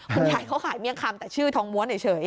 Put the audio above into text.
คุณยายเขาขายเมี่ยงคำแต่ชื่อทองม้วนเฉย